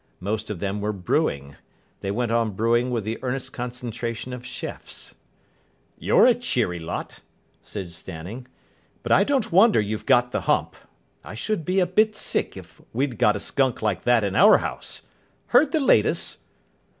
Most of them were brewing. They went on brewing with the earnest concentration of chefs. "You're a cheery lot," said Stanning. "But I don't wonder you've got the hump. I should be a bit sick if we'd got a skunk like that in our house. Heard the latest?"